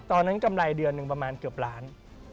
กำไรเดือนหนึ่งประมาณเกือบล้าน